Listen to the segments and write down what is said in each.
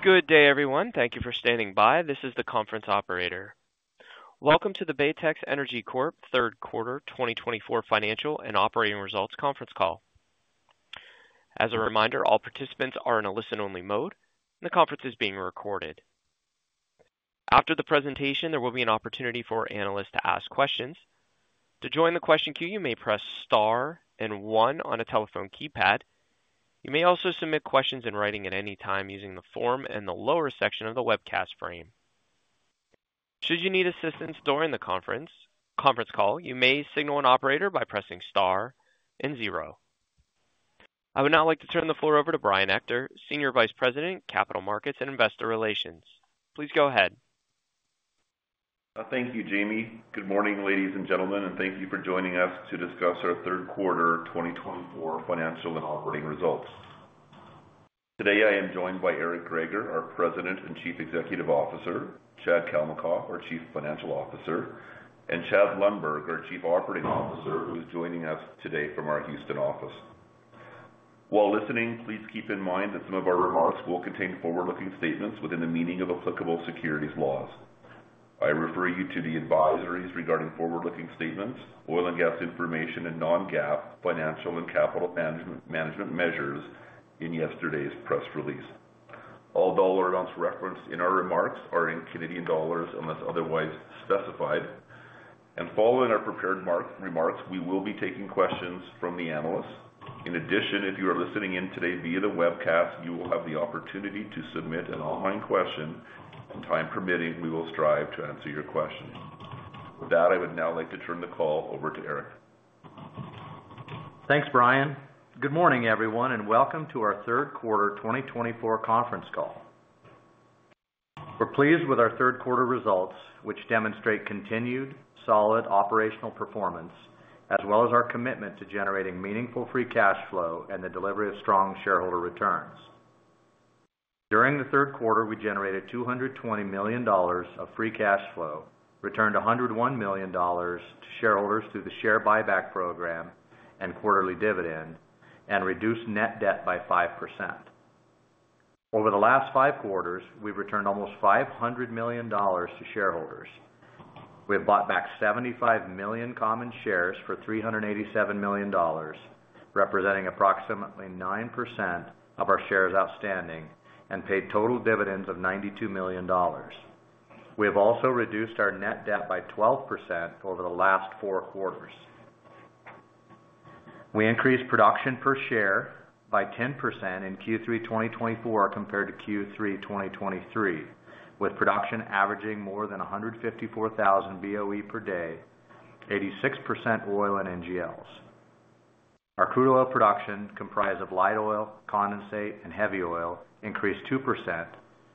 Good day, everyone. Thank you for standing by. This is the conference operator. Welcome to the Baytex Energy Corp third quarter 2024 financial and operating results conference call. As a reminder, all participants are in a listen-only mode, and the conference is being recorded. After the presentation, there will be an opportunity for analysts to ask questions. To join the question queue, you may press star and one on a telephone keypad. You may also submit questions in writing at any time using the form in the lower section of the webcast frame. Should you need assistance during the conference call, you may signal an operator by pressing star and zero. I would now like to turn the floor over to Brian Ector, Senior Vice President, Capital Markets and Investor Relations. Please go ahead. Thank you, Jamie. Good morning, ladies and gentlemen, and thank you for joining us to discuss our third quarter 2024 financial and operating results. Today, I am joined by Eric Greager, our President and Chief Executive Officer, Chad Kalmakoff, our Chief Financial Officer, and Chad Lundberg, our Chief Operating Officer, who is joining us today from our Houston office. While listening, please keep in mind that some of our remarks will contain forward-looking statements within the meaning of applicable securities laws. I refer you to the advisories regarding forward-looking statements, oil and gas information, and non-GAAP financial and capital management measures in yesterday's press release. All dollar amounts referenced in our remarks are in Canadian dollars unless otherwise specified, and following our prepared remarks, we will be taking questions from the analysts. In addition, if you are listening in today via the webcast, you will have the opportunity to submit an online question. Time permitting, we will strive to answer your questions. With that, I would now like to turn the call over to Eric. Thanks, Brian. Good morning, everyone, and welcome to our third quarter 2024 conference call. We're pleased with our third quarter results, which demonstrate continued solid operational performance, as well as our commitment to generating meaningful free cash flow and the delivery of strong shareholder returns. During the third quarter, we generated $220 million of free cash flow, returned $101 million to shareholders through the share buyback program and quarterly dividend, and reduced net debt by 5%. Over the last five quarters, we've returned almost $500 million to shareholders. We have bought back 75 million common shares for $387 million, representing approximately 9% of our shares outstanding, and paid total dividends of $92 million. We have also reduced our net debt by 12% over the last four quarters. We increased production per share by 10% in Q3 2024 compared to Q3 2023, with production averaging more than 154,000 BOE per day, 86% oil and NGLs. Our crude oil production, comprised of light oil, condensate, and heavy oil, increased 2%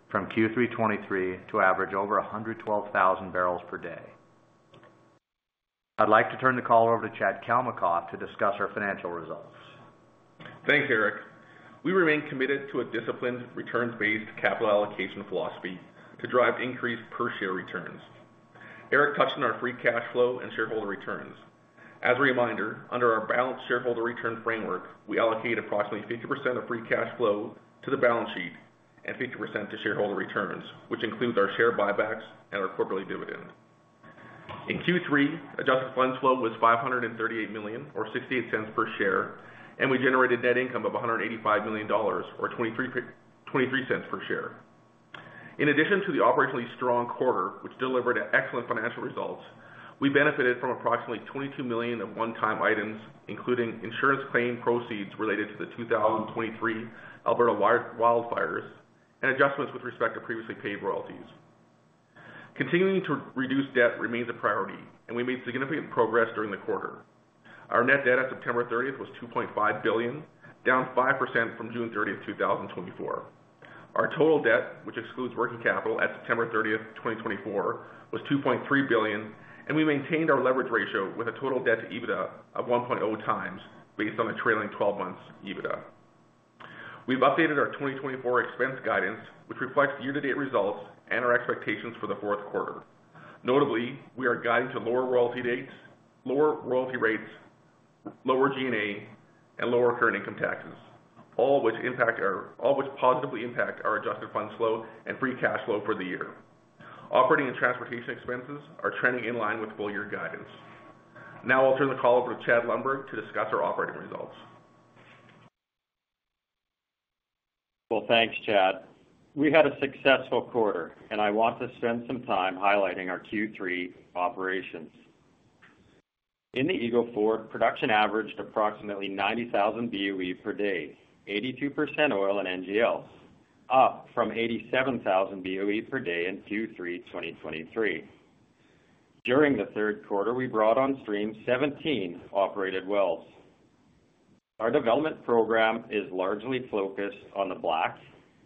from Q3 2023 to average over 112,000 barrels per day. I'd like to turn the call over to Chad Kalmakoff to discuss our financial results. Thanks, Eric. We remain committed to a disciplined returns-based capital allocation philosophy to drive increased per-share returns. Eric touched on our free cash flow and shareholder returns. As a reminder, under our balanced shareholder return framework, we allocate approximately 50% of free cash flow to the balance sheet and 50% to shareholder returns, which includes our share buybacks and our quarterly dividend. In Q3, adjusted funds flow was 538 million, or 0.68 per share, and we generated net income of 185 million dollars, or 0.23 per share. In addition to the operationally strong quarter, which delivered excellent financial results, we benefited from approximately 22 million of one-time items, including insurance claim proceeds related to the 2023 Alberta wildfires and adjustments with respect to previously paid royalties. Continuing to reduce debt remains a priority, and we made significant progress during the quarter. Our net debt at September 30 was $2.5 billion, down 5% from June 30, 2024. Our total debt, which excludes working capital at September 30, 2024, was $2.3 billion, and we maintained our leverage ratio with a total debt-to-EBITDA of 1.0 times based on a trailing 12-month EBITDA. We've updated our 2024 expense guidance, which reflects year-to-date results and our expectations for the fourth quarter. Notably, we are guiding to lower royalty dates, lower royalty rates, lower G&A, and lower current income taxes, all of which positively impact our adjusted funds flow and free cash flow for the year. Operating and transportation expenses are trending in line with full-year guidance. Now I'll turn the call over to Chad Lundberg to discuss our operating results. Thanks, Chad. We had a successful quarter, and I want to spend some time highlighting our Q3 operations. In the Eagle Ford, production averaged approximately 90,000 BOE per day, 82% oil and NGLs, up from 87,000 BOE per day in Q3 2023. During the third quarter, we brought on stream 17 operated wells. Our development program is largely focused on the black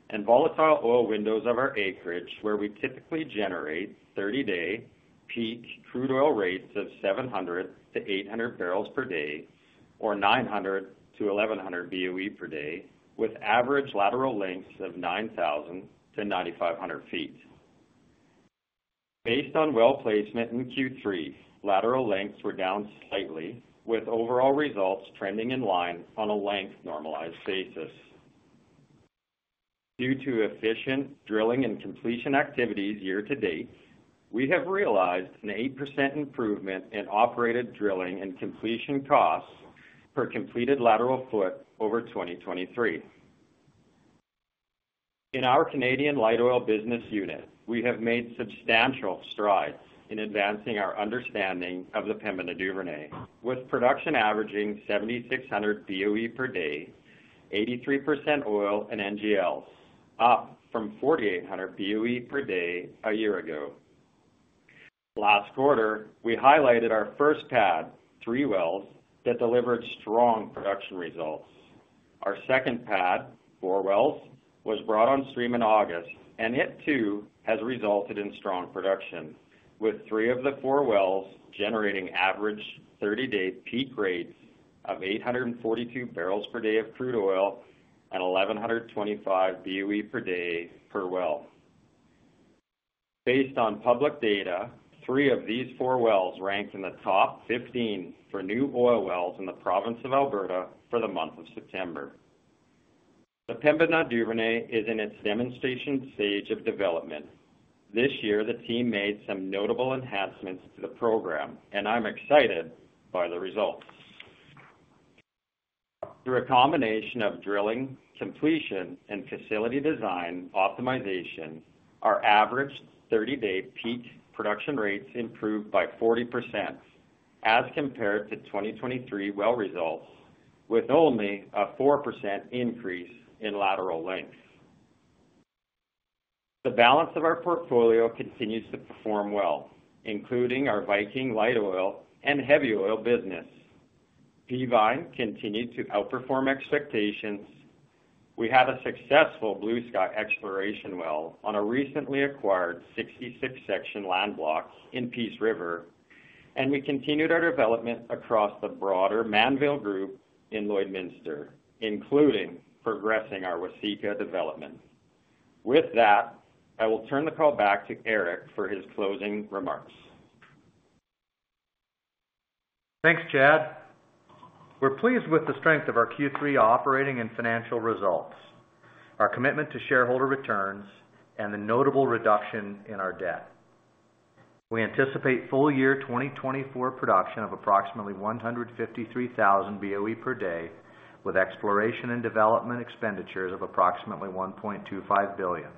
and volatile oil windows of our acreage, where we typically generate 30-day peak crude oil rates of 700 to 800 barrels per day, or 900 to 1,100 BOE per day, with average lateral lengths of 9,000 to 9,500 feet. Based on well placement in Q3, lateral lengths were down slightly, with overall results trending in line on a length normalized basis. Due to efficient drilling and completion activities year-to-date, we have realized an 8% improvement in operated drilling and completion costs per completed lateral foot over 2023. In our Canadian light oil business unit, we have made substantial strides in advancing our understanding of the Pembina Duvernay, with production averaging 7,600 BOE per day, 83% oil and NGLs, up from 4,800 BOE per day a year ago. Last quarter, we highlighted our first pad, three wells, that delivered strong production results. Our second pad, four wells, was brought on stream in August, and it too has resulted in strong production, with three of the four wells generating average 30-day peak rates of 842 barrels per day of crude oil and 1,125 BOE per day per well. Based on public data, three of these four wells ranked in the top 15 for new oil wells in the province of Alberta for the month of September. The Pembina Duvernay is in its demonstration stage of development. This year, the team made some notable enhancements to the program, and I'm excited by the results. Through a combination of drilling, completion, and facility design optimization, our average 30-day peak production rates improved by 40% as compared to 2023 well results, with only a 4% increase in lateral length. The balance of our portfolio continues to perform well, including our Viking light oil and heavy oil business. Peavine continued to outperform expectations. We had a successful Bluesky exploration well on a recently acquired 66-section land block in Peace River, and we continued our development across the broader Mannville Group in Lloydminster, including progressing our Waseca development. With that, I will turn the call back to Eric for his closing remarks. Thanks, Chad. We're pleased with the strength of our Q3 operating and financial results, our commitment to shareholder returns, and the notable reduction in our debt. We anticipate full-year 2024 production of approximately 153,000 BOE per day, with exploration and development expenditures of approximately $1.25 billion,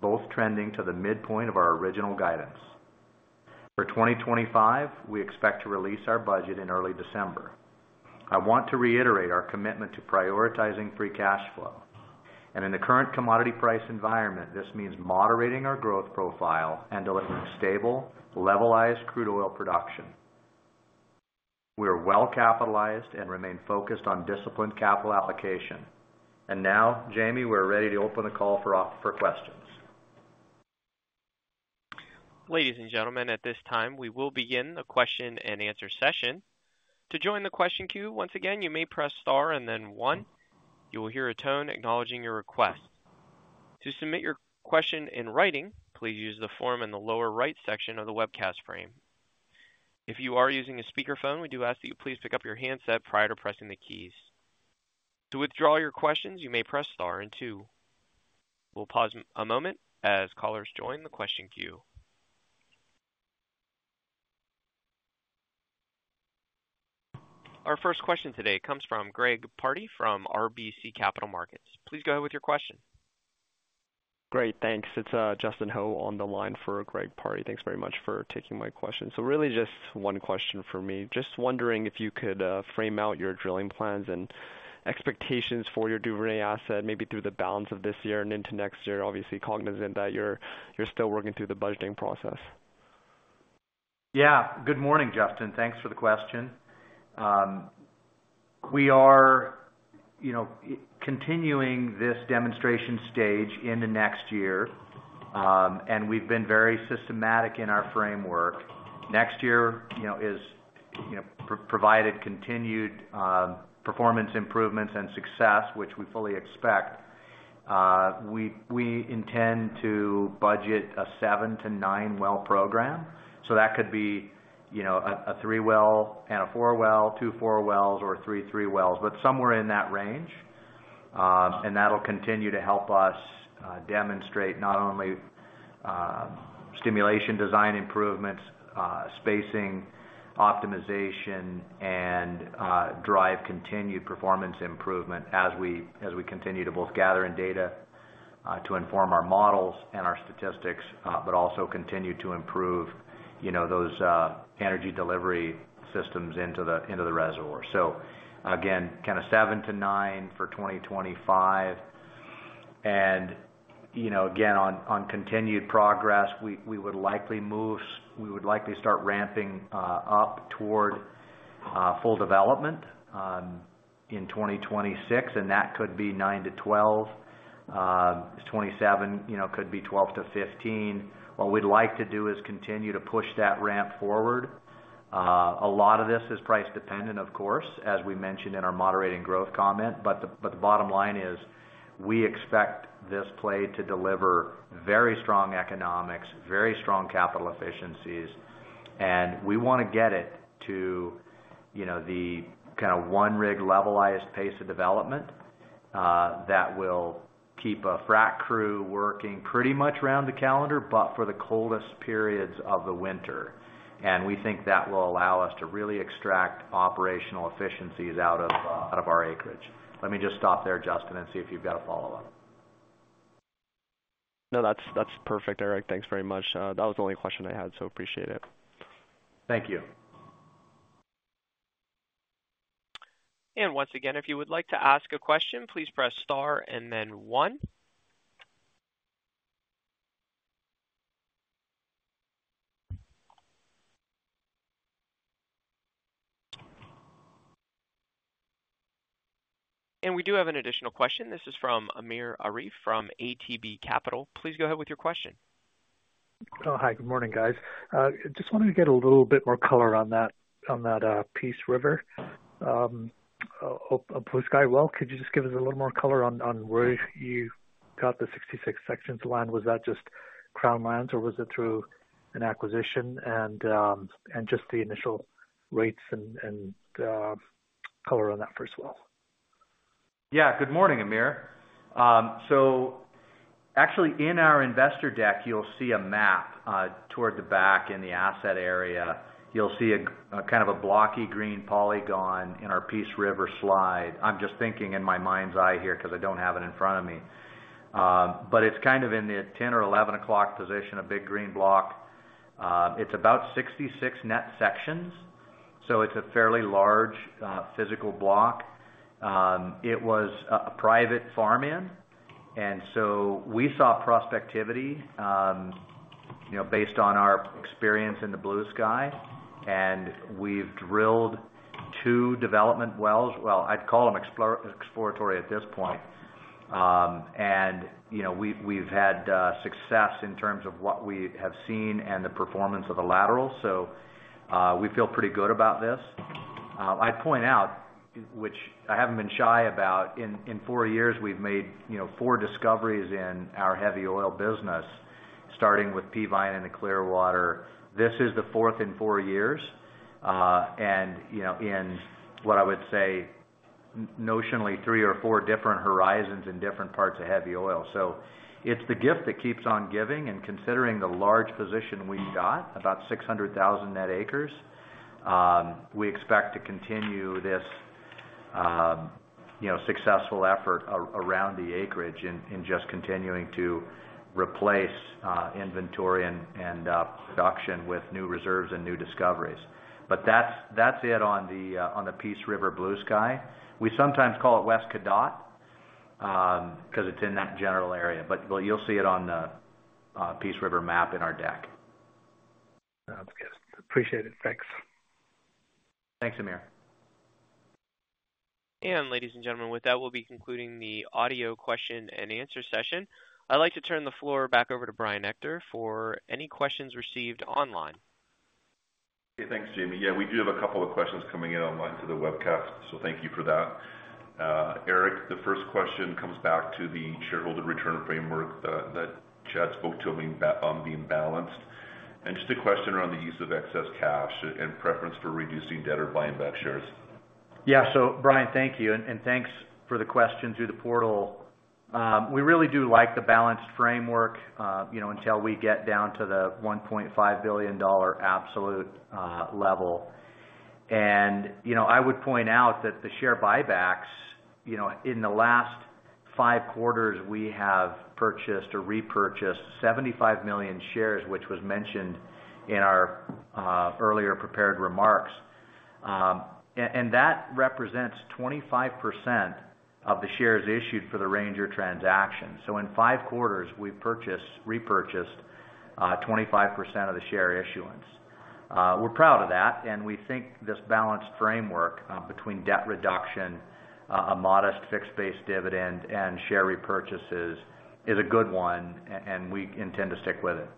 both trending to the midpoint of our original guidance. For 2025, we expect to release our budget in early December. I want to reiterate our commitment to prioritizing free cash flow, and in the current commodity price environment, this means moderating our growth profile and delivering stable, levelized crude oil production. We are well capitalized and remain focused on disciplined capital allocation. And now, Jamie, we're ready to open the call for questions. Ladies and gentlemen, at this time, we will begin the question and answer session. To join the question queue, once again, you may press star and then one. You will hear a tone acknowledging your request. To submit your question in writing, please use the form in the lower right section of the webcast frame. If you are using a speakerphone, we do ask that you please pick up your handset prior to pressing the keys. To withdraw your questions, you may press star and two. We'll pause a moment as callers join the question queue. Our first question today comes from Greg Pardy from RBC Capital Markets. Please go ahead with your question. Great, thanks. It's Justin Ho on the line for Greg Pardy. Thanks very much for taking my question. So really just one question for me. Just wondering if you could frame out your drilling plans and expectations for your Duvernay asset, maybe through the balance of this year and into next year, obviously cognizant that you're still working through the budgeting process. Yeah, good morning, Justin. Thanks for the question. We are continuing this demonstration stage into next year, and we've been very systematic in our framework. Next year has provided continued performance improvements and success, which we fully expect. We intend to budget a seven to nine well program. So that could be a three well and a four well, two four wells, or three three wells, but somewhere in that range. And that'll continue to help us demonstrate not only stimulation design improvements, spacing optimization, and drive continued performance improvement as we continue to both gather in data to inform our models and our statistics, but also continue to improve those energy delivery systems into the reservoir. So again, kind of seven to nine for 2025. And again, on continued progress, we would likely start ramping up toward full development in 2026, and that could be nine to 12. 27 could be 12 to 15. What we'd like to do is continue to push that ramp forward. A lot of this is price-dependent, of course, as we mentioned in our moderating growth comment, but the bottom line is we expect this play to deliver very strong economics, very strong capital efficiencies, and we want to get it to the kind of one-rig levelized pace of development that will keep a frac crew working pretty much around the calendar, but for the coldest periods of the winter, and we think that will allow us to really extract operational efficiencies out of our acreage. Let me just stop there, Justin, and see if you've got a follow-up. No, that's perfect, Eric. Thanks very much. That was the only question I had, so appreciate it. Thank you. Once again, if you would like to ask a question, please press star and then one. We do have an additional question. This is from Amir Arif from ATB Capital. Please go ahead with your question. Hi, good morning, guys. Just wanted to get a little bit more color on that Peace River. Blue Sky Well, could you just give us a little more color on where you got the 66-section land? Was that just crown lands, or was it through an acquisition and just the initial rates and color on that first well? Yeah, good morning, Amir. So actually, in our investor deck, you'll see a map toward the back in the asset area. You'll see kind of a blocky green polygon in our Peace River slide. I'm just thinking in my mind's eye here because I don't have it in front of me. But it's kind of in the 10 or 11 o'clock position, a big green block. It's about 66 net sections, so it's a fairly large physical block. It was a private farm in, and so we saw prospectivity based on our experience in the Blue Sky, and we've drilled two development wells. Well, I'd call them exploratory at this point. And we've had success in terms of what we have seen and the performance of the lateral. So we feel pretty good about this. I'd point out, which I haven't been shy about, in four years, we've made four discoveries in our heavy oil business, starting with Peavine and the Clearwater. This is the fourth in four years, and in what I would say, notionally, three or four different horizons in different parts of heavy oil. So it's the gift that keeps on giving. And considering the large position we've got, about 600,000 net acres, we expect to continue this successful effort around the acreage in just continuing to replace inventory and production with new reserves and new discoveries. But that's it on the Peace River Blue Sky. We sometimes call it West Cadotte because it's in that general area, but you'll see it on the Peace River map in our deck. Sounds good. Appreciate it. Thanks. Thanks, Amir. Ladies and gentlemen, with that, we'll be concluding the audio question and answer session. I'd like to turn the floor back over to Brian Ector for any questions received online. Thanks, Jamie. Yeah, we do have a couple of questions coming in online to the webcast, so thank you for that. Eric, the first question comes back to the shareholder return framework that Chad spoke to on being balanced. And just a question around the use of excess cash and preference for reducing debt or buying back shares. Yeah, so Brian, thank you, and thanks for the question through the portal. We really do like the balanced framework until we get down to the $1.5 billion absolute level. And I would point out that the share buybacks, in the last five quarters, we have purchased or repurchased 75 million shares, which was mentioned in our earlier prepared remarks. And that represents 25% of the shares issued for the Ranger transaction. So in five quarters, we've repurchased 25% of the share issuance. We're proud of that, and we think this balanced framework between debt reduction, a modest fixed-based dividend, and share repurchases is a good one, and we intend to stick with it.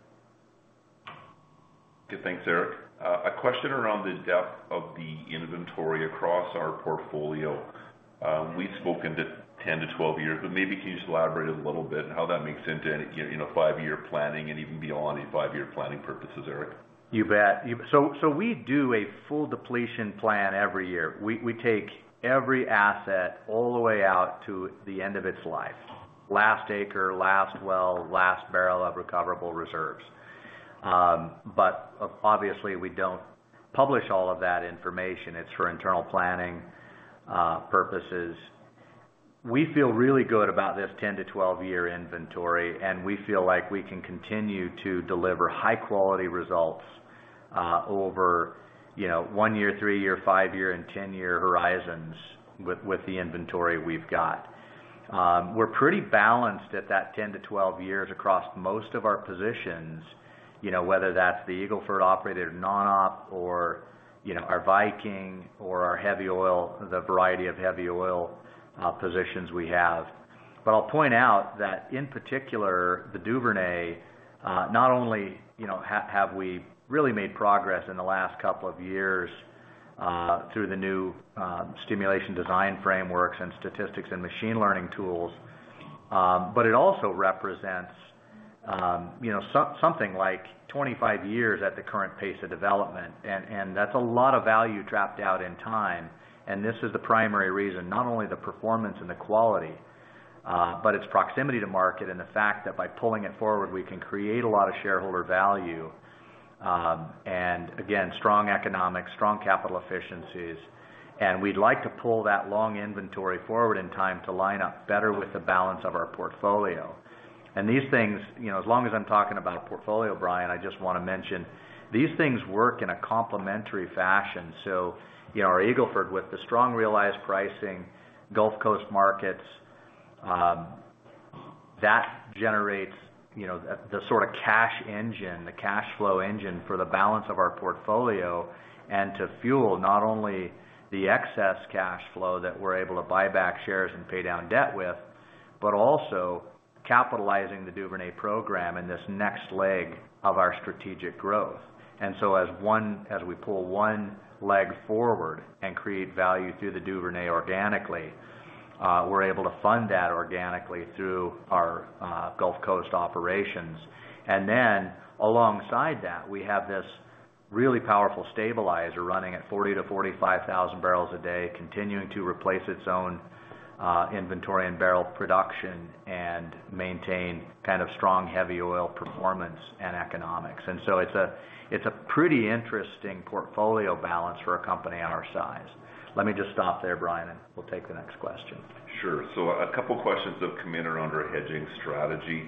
Good thanks, Eric. A question around the depth of the inventory across our portfolio. We've spoken to 10 to 12 years, but maybe can you just elaborate a little bit on how that makes into five-year planning and even beyond five-year planning purposes, Eric? You bet. So we do a full depletion plan every year. We take every asset all the way out to the end of its life, last acre, last well, last barrel of recoverable reserves. But obviously, we don't publish all of that information. It's for internal planning purposes. We feel really good about this 10- to 12-year inventory, and we feel like we can continue to deliver high-quality results over one-year, three-year, five-year, and 10-year horizons with the inventory we've got. We're pretty balanced at that 10- to 12 years across most of our positions, whether that's the Eagle Ford operated non-op or our Viking or our heavy oil, the variety of heavy oil positions we have. But I'll point out that in particular, the Duvernay not only have we really made progress in the last couple of years through the new stimulation design frameworks and statistics and machine learning tools, but it also represents something like 25 years at the current pace of development. And that's a lot of value trapped out in time. And this is the primary reason, not only the performance and the quality, but its proximity to market and the fact that by pulling it forward, we can create a lot of shareholder value and, again, strong economics, strong capital efficiencies. And we'd like to pull that long inventory forward in time to line up better with the balance of our portfolio. And these things, as long as I'm talking about portfolio, Brian, I just want to mention, these things work in a complementary fashion. Our Eagle Ford, with the strong realized pricing, Gulf Coast markets, generates the sort of cash engine, the cash flow engine for the balance of our portfolio and to fuel not only the excess cash flow that we're able to buy back shares and pay down debt with, but also capitalizing the Duvernay program and this next leg of our strategic growth. As we pull one leg forward and create value through the Duvernay organically, we're able to fund that organically through our Gulf Coast operations. Alongside that, we have this really powerful stabilizer running at 40-45 thousand barrels a day, continuing to replace its own inventory and barrel production and maintain kind of strong heavy oil performance and economics. It's a pretty interesting portfolio balance for a company our size. Let me just stop there, Brian, and we'll take the next question. Sure. So a couple of questions have come in around our hedging strategy.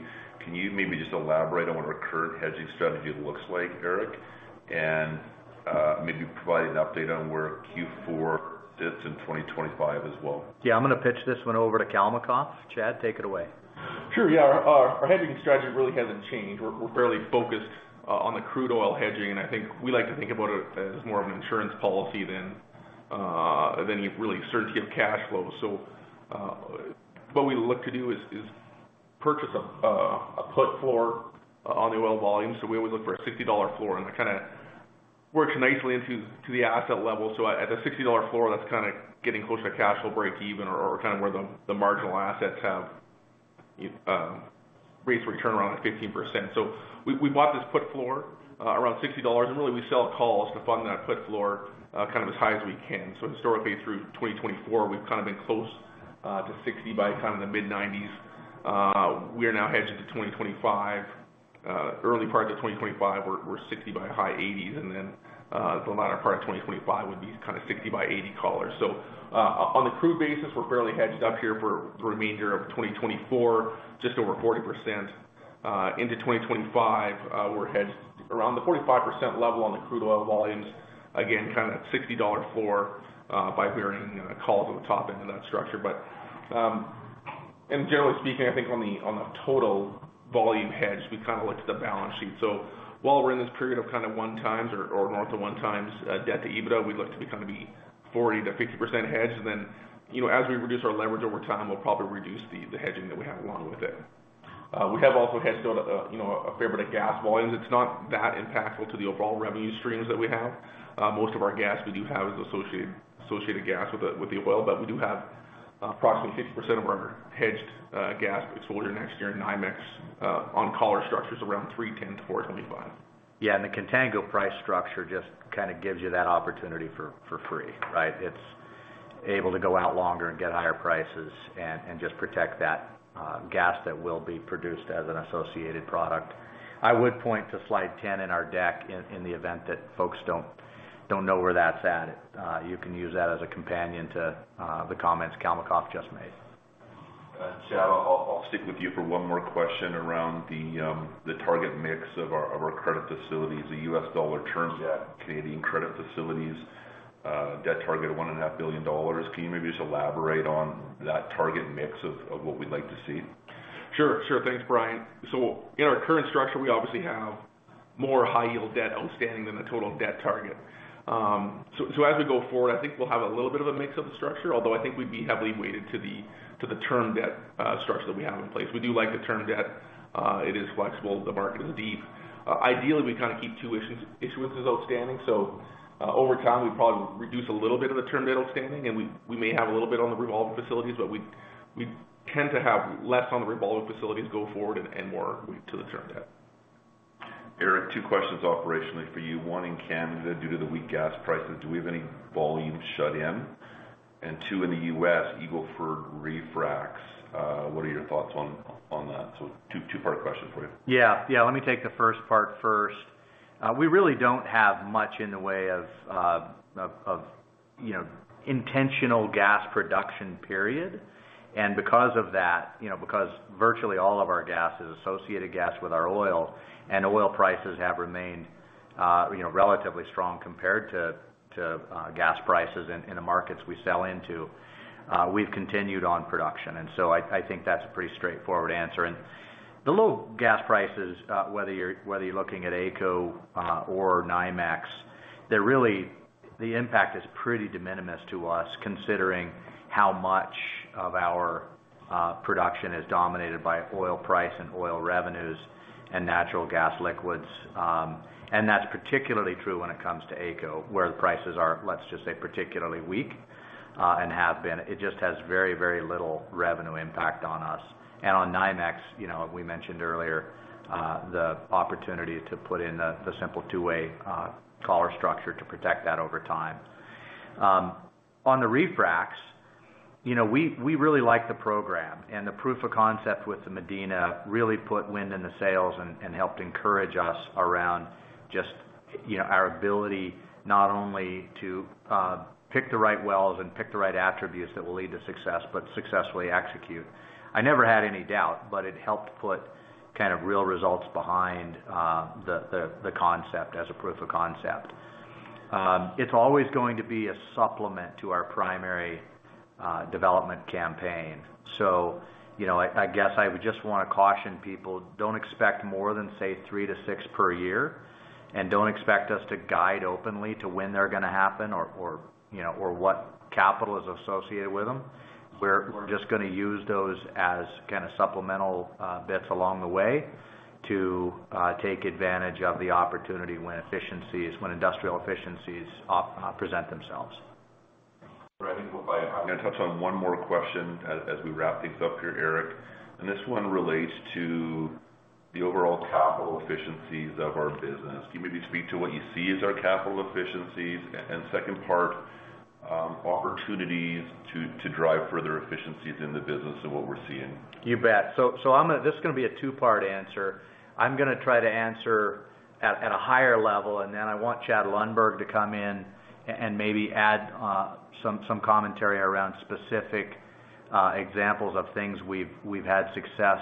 Can you maybe just elaborate on what our current hedging strategy looks like, Eric, and maybe provide an update on where Q4 sits in 2025 as well? Yeah, I'm going to pitch this one over to Kalmakoff. Chad, take it away. Sure. Yeah, our hedging strategy really hasn't changed. We're fairly focused on the crude oil hedging, and I think we like to think about it as more of an insurance policy than really certainty of cash flow. So what we look to do is purchase a put floor on the oil volume. So we always look for a $60 floor, and that kind of works nicely into the asset level. So at the $60 floor, that's kind of getting close to a cash flow break even or kind of where the marginal assets have based return around 15%. So we bought this put floor around $60, and really we sell calls to fund that put floor kind of as high as we can. So historically, through 2024, we've kind of been close to 60 by kind of the mid-90s. We are now hedged into early part of 2025. We're $60 by high $80s, and then the latter part of 2025 would be kind of $60 by $80 collars. So on the crude basis, we're fairly hedged up here for the remainder of 2024, just over 40%. Into 2025, we're hedged around the 45% level on the crude oil volumes, again, kind of that $60 floor by $80 calls on the top end of that structure. But generally speaking, I think on the total volume hedge, we kind of look to the balance sheet. So while we're in this period of kind of one times or north of one times debt to EBITDA, we'd look to be kind of 40%-50% hedged. And then as we reduce our leverage over time, we'll probably reduce the hedging that we have along with it. We have also hedged a fair bit of gas volumes. It's not that impactful to the overall revenue streams that we have. Most of our gas we do have is associated gas with the oil, but we do have approximately 50% of our hedged gas exposure next year in NYMEX on collar structures around 310-425. Yeah, and the contango price structure just kind of gives you that opportunity for free, right? It's able to go out longer and get higher prices and just protect that gas that will be produced as an associated product. I would point to slide 10 in our deck in the event that folks don't know where that's at. You can use that as a companion to the comments Kalmakoff just made. Chad, I'll stick with you for one more question around the target mix of our credit facilities, the U.S. dollar terms at Canadian credit facilities, debt target of $1.5 billion. Can you maybe just elaborate on that target mix of what we'd like to see? Sure. Sure. Thanks, Brian. So in our current structure, we obviously have more high-yield debt outstanding than the total debt target. So as we go forward, I think we'll have a little bit of a mix of the structure, although I think we'd be heavily weighted to the term debt structure that we have in place. We do like the term debt. It is flexible. The market is deep. Ideally, we kind of keep two issuances outstanding. So over time, we probably reduce a little bit of the term debt outstanding, and we may have a little bit on the revolving facilities, but we tend to have less on the revolving facilities go forward and more to the term debt. Eric, two questions operationally for you. One in Canada due to the weak gas prices. Do we have any volume shut in? And two in the US, Eagle Ford refracts. What are your thoughts on that? So two-part question for you. Yeah. Yeah, let me take the first part first. We really don't have much in the way of intentional gas production, period. And because of that, because virtually all of our gas is associated gas with our oil and oil prices have remained relatively strong compared to gas prices in the markets we sell into, we've continued on production. And so I think that's a pretty straightforward answer. And the low gas prices, whether you're looking at AECO or NYMEX, the impact is pretty de minimis to us considering how much of our production is dominated by oil price and oil revenues and natural gas liquids. And that's particularly true when it comes to AECO, where the prices are, let's just say, particularly weak and have been. It just has very, very little revenue impact on us. And on NYMEX, we mentioned earlier the opportunity to put in the simple two-way collar structure to protect that over time. On the refracts, we really like the program. And the proof of concept with the Medina really put wind in the sails and helped encourage us around just our ability not only to pick the right wells and pick the right attributes that will lead to success, but successfully execute. I never had any doubt, but it helped put kind of real results behind the concept as a proof of concept. It's always going to be a supplement to our primary development campaign. So I guess I would just want to caution people, don't expect more than, say, three to six per year, and don't expect us to guide openly to when they're going to happen or what capital is associated with them. We're just going to use those as kind of supplemental bits along the way to take advantage of the opportunity when industrial efficiencies present themselves. I think I'm going to touch on one more question as we wrap things up here, Eric. And this one relates to the overall capital efficiencies of our business. Can you maybe speak to what you see as our capital efficiencies? And second part, opportunities to drive further efficiencies in the business and what we're seeing? You bet. So this is going to be a two-part answer. I'm going to try to answer at a higher level, and then I want Chad Lundberg to come in and maybe add some commentary around specific examples of things we've had success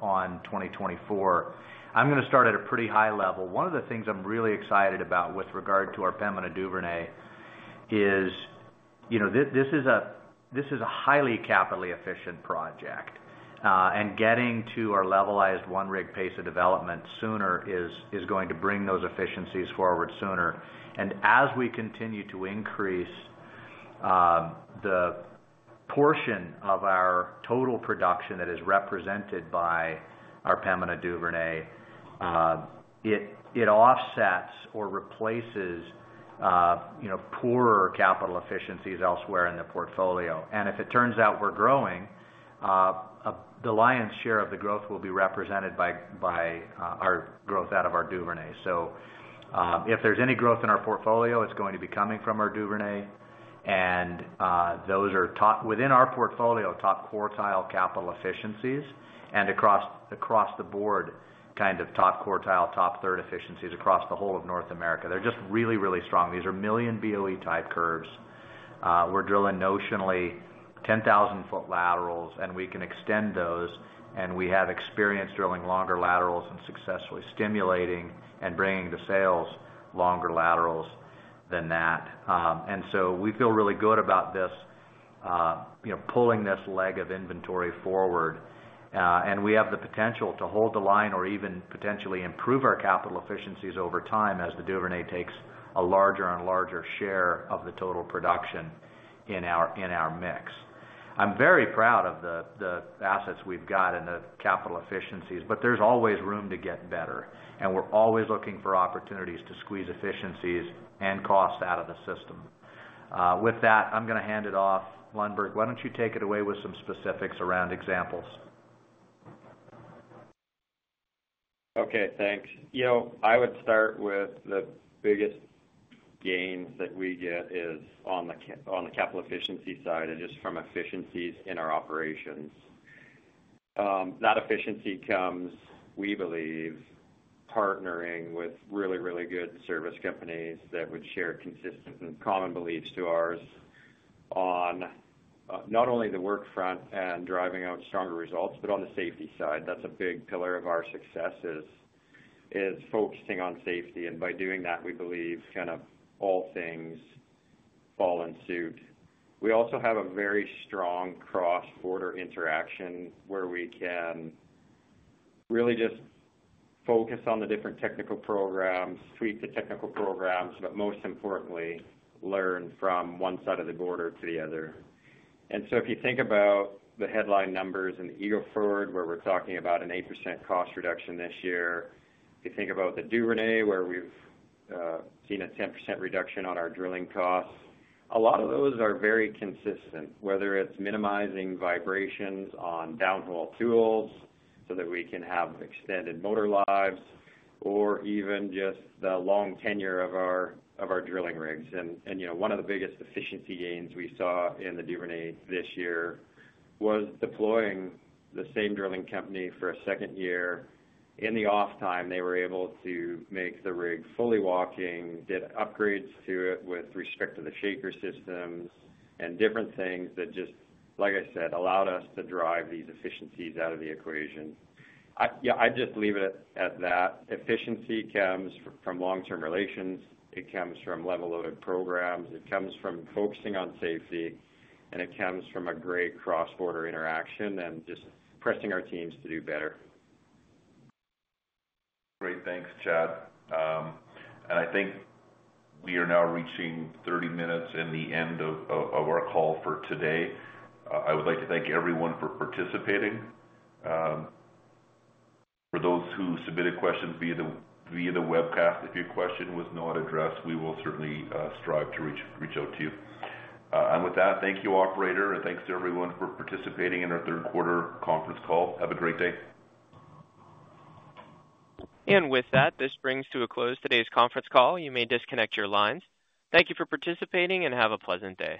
on 2024. I'm going to start at a pretty high level. One of the things I'm really excited about with regard to our Pembina Duvernay is this is a highly capital efficient project, and getting to our levelized one-rig pace of development sooner is going to bring those efficiencies forward sooner. And as we continue to increase the portion of our total production that is represented by our Pembina Duvernay, it offsets or replaces poorer capital efficiencies elsewhere in the portfolio. And if it turns out we're growing, the lion's share of the growth will be represented by our growth out of our Duvernay. So if there's any growth in our portfolio, it's going to be coming from our Duvernay. And those are within our portfolio, top quartile capital efficiencies and across the board, kind of top quartile, top third efficiencies across the whole of North America. They're just really, really strong. These are million BOE type curves. We're drilling notionally 10,000-foot laterals, and we can extend those. And we have experience drilling longer laterals and successfully stimulating and bringing to sales longer laterals than that. And so we feel really good about pulling this leg of inventory forward. And we have the potential to hold the line or even potentially improve our capital efficiencies over time as the Duvernay takes a larger and larger share of the total production in our mix. I'm very proud of the assets we've got and the capital efficiencies, but there's always room to get better. We're always looking for opportunities to squeeze efficiencies and costs out of the system. With that, I'm going to hand it off. Lundberg, why don't you take it away with some specifics around examples? Okay. Thanks. I would start with the biggest gains that we get is on the capital efficiency side and just from efficiencies in our operations. That efficiency comes, we believe, partnering with really, really good service companies that would share consistent and common beliefs to ours on not only the workfront and driving out stronger results, but on the safety side. That's a big pillar of our success is focusing on safety, and by doing that, we believe kind of all things fall in suit. We also have a very strong cross-border interaction where we can really just focus on the different technical programs, tweak the technical programs, but most importantly, learn from one side of the border to the other. And so if you think about the headline numbers in Eagle Ford, where we're talking about an 8% cost reduction this year, if you think about the Duvernay, where we've seen a 10% reduction on our drilling costs, a lot of those are very consistent, whether it's minimizing vibrations on downhole tools so that we can have extended motor lives or even just the long tenure of our drilling rigs. And one of the biggest efficiency gains we saw in the Duvernay this year was deploying the same drilling company for a second year. In the off time, they were able to make the rig fully walking, did upgrades to it with respect to the shaker systems and different things that just, like I said, allowed us to drive these efficiencies out of the equation. Yeah, I'd just leave it at that. Efficiency comes from long-term relations. It comes from level loaded programs. It comes from focusing on safety, and it comes from a great cross-border interaction and just pressing our teams to do better. Great. Thanks, Chad. And I think we are now reaching 30 minutes in the end of our call for today. I would like to thank everyone for participating. For those who submitted questions via the webcast, if your question was not addressed, we will certainly strive to reach out to you. And with that, thank you, operator, and thanks to everyone for participating in our third quarter conference call. Have a great day. With that, this brings to a close today's conference call. You may disconnect your lines. Thank you for participating and have a pleasant day.